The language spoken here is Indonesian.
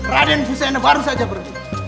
raden busena baru saja pergi